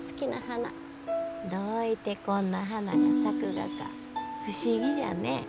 どういてこんな花が咲くがか不思議じゃね。